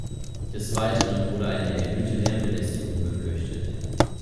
Des Weiteren wurde eine erhöhte Lärmbelästigung befürchtet.